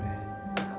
gak tau deh